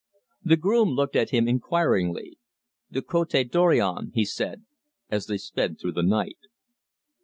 The groom looked at him inquiringly. "The Cote Dorion!" he said, and they sped away through the night.